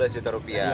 sebelas juta rupiah